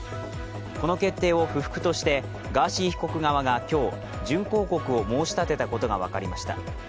この決定を不服として、ガーシー被告側が今日、準抗告を申し立てたことが分かりました。